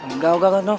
enggak enggak enggak